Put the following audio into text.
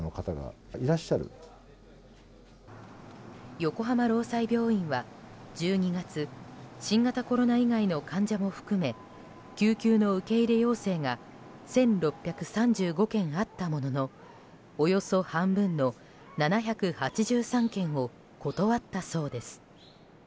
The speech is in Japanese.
横浜労災病院は１２月新型コロナ以外の患者も含め救急の受け入れ要請が１６３５件あったもののおよそ半分の７８３件を断ったそうです。